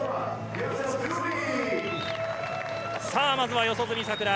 さあまずは四十住さくら。